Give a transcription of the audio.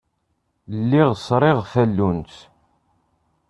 Lliɣ sriɣ tallunt.